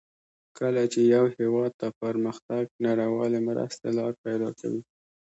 کله چې یو هېواد ته پرمختګ نړیوالې مرستې لار پیداکوي.